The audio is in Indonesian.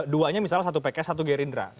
duanya misalnya satu pks satu gerindra